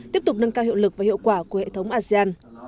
tiếp tục nâng cao hiệu lực và hiệu quả của hệ thống asean